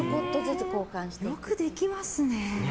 よくできますね。